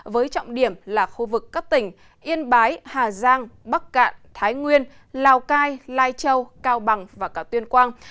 với trọng điểm là khu vực các tỉnh yên bái hà giang bắc cạn thái nguyên lào cai lai châu cao bằng và cả tuyên quang